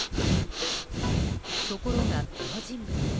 ところが、この人物。